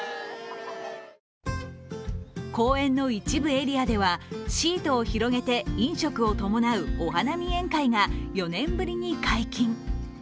公園の一部エリアではシートを広げて飲食を伴うお花見宴会が４年ぶりに解禁。